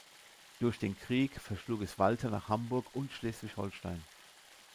Durch den Krieg verschlug es Walter nach Hamburg und Schleswig-Holstein.